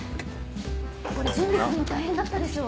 これ準備するの大変だったでしょ？